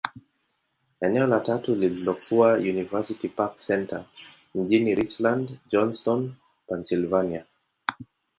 Eneo la tatu lililokuwa University Park Centre, mjini Richland, Johnstown, Pennyslvania.